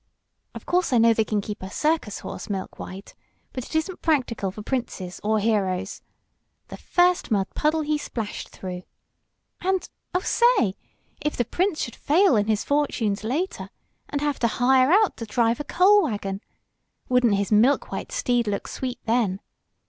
Of course I know they can keep a circus horse milk white, but it isn't practical for princes or heroes. The first mud puddle he splashed through And, oh, say! If the prince should fail in his fortunes later, and have to hire out to drive a coal wagon! Wouldn't his milk white steed look sweet then?